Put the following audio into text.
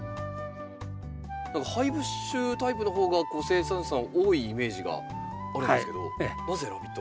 何かハイブッシュタイプのほうが生産者さん多いイメージがあるんですけどなぜラビットアイ？